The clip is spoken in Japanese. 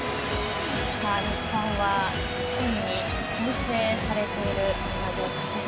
日本はスペインに先制されているそんな状況です。